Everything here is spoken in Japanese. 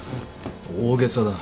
大げさだ。